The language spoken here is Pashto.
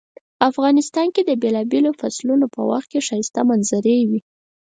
افغانستان کې د بیلابیلو فصلونو په وخت کې ښایسته منظرۍ وی